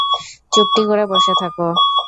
চুপটি করে বসে থাকো।